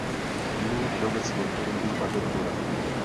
Nyní všeobecně k různým agenturám.